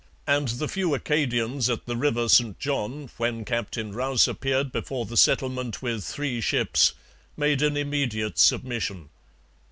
And the few Acadians at the river St John, when Captain Rous appeared before the settlement with three ships, made an immediate submission.